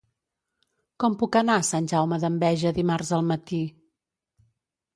Com puc anar a Sant Jaume d'Enveja dimarts al matí?